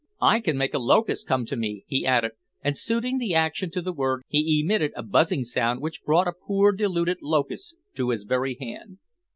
"I can make a locust come to me," he added, and suiting the action to the word he emitted a buzzing sound which brought a poor deluded locust to his very hand.